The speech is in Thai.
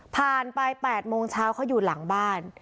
ผ่านไป๘โมงเช้าเขาอยู่หลังบ้าน